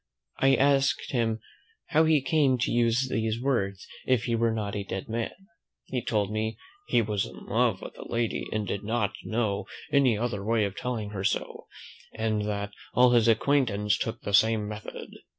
I asked him, "how he came to use these words, if he were not a dead man?" He told me, "he was in love with the lady, and did not know any other way of telling her so; and that all his acquaintance took the same method."